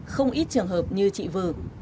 không ít trường hợp như chị vừa